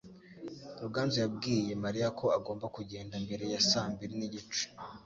Ruganzu yabwiye Mariya ko agomba kugenda mbere ya saa mbiri n'igice.